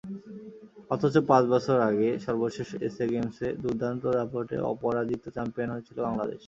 অথচ পাঁচ বছর আগে সর্বশেষ এসএ গেমসে দুর্দান্ত দাপটে অপরাজিত চ্যাম্পিয়ন হয়েছিল বাংলাদেশ।